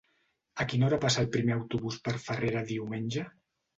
A quina hora passa el primer autobús per Farrera diumenge?